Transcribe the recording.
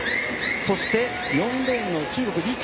そして、４レーンの中国李桂